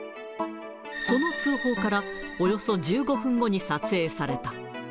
その通報からおよそ１５分後に撮影された。